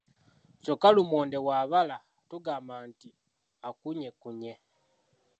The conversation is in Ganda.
Kyokka lumonde bwabala tugamba nti akunyekkunye.